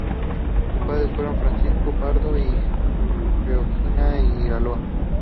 Sus padres fueron Francisco Pardo y Gregoria Iraola.